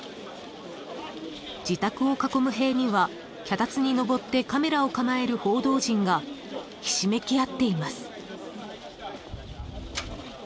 ［自宅を囲む塀には脚立にのぼってカメラを構える報道陣がひしめき合っています］